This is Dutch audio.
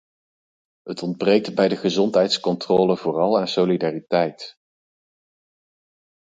Het ontbreekt bij de gezondheidscontrole vooral aan solidariteit.